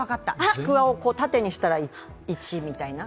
ちくを縦にしたら「１」みたいな？